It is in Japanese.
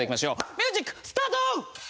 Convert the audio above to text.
ミュージックスタート！